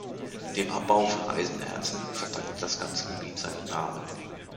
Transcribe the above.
Dem Abbau von Eisenerzen verdankt das ganze Gebiet seinen Namen.